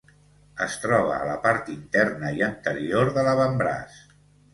Es troba a la part interna i anterior de l'avantbraç.